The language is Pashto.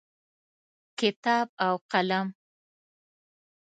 کتاب او قلم